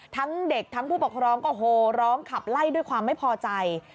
ทั้งเด็กทั้งผู้ปกครองก็โหร้องขับไล่ด้วยความไม่พอใจ